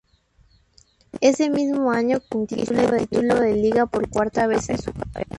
Ese mismo año conquista el título de Liga por cuarta vez en su carrera.